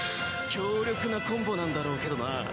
強力なコンボなんだろうけどな。